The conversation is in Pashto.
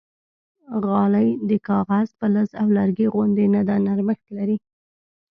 غالۍ د کاغذ، فلز او لرګي غوندې نه ده، نرمښت لري.